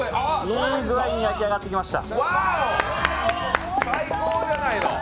いい具合に焼き上がってきました。